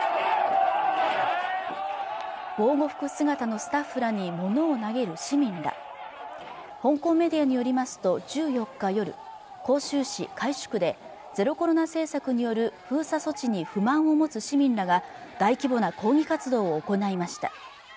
防護服姿のスタッフらに物を投げる市民ら香港メディアによりますと１４日夜広州市海珠区でゼロコロナ政策による封鎖措置に不満を持つ市民らが大規模な抗議活動を行いました